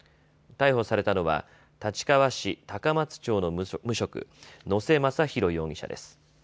逮捕されたのは立川市高松町の無職、野瀬雅大容疑者です。